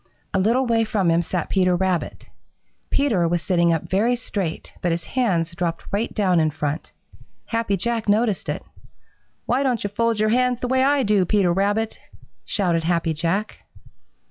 A little way from him sat Peter Rabbit. Peter was sitting up very straight, but his hands dropped right down in front. Happy Jack noticed it. "Why don't you fold your hands the way I do, Peter Rabbit?" shouted Happy Jack.